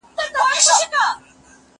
نظریه هم مطرح شوه.